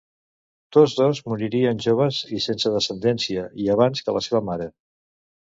Tots dos moririen joves i sense descendència i abans que la seva mare.